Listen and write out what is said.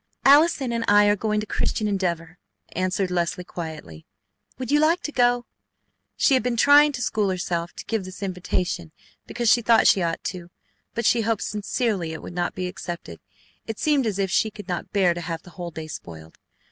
"Allison and I are going to Christian Endeavor," answered Leslie quietly. "Would you like to go?" She had been trying to school herself to give this invitation because she thought she ought to, but she hoped sincerely it would not be accepted. It seemed as if she could not bear to have the whole day spoiled.